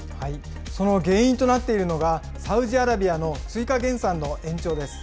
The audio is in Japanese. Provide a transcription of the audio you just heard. その原因となっているのが、サウジアラビアの追加減産の延長です。